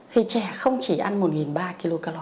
thì trẻ không chỉ ăn một ba trăm linh kcal